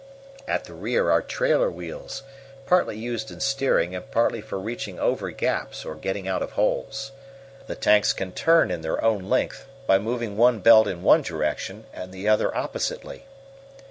At the rear are trailer wheels, partly used in steering and partly for reaching over gaps or getting out of holes. The tanks can turn in their own length, by moving one belt in one direction and the other oppositely.